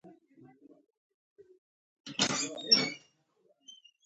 په دې وسایلو سره موږ اومه تیل بدلولی شو.